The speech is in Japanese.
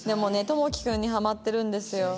智規君にハマってるんですよ。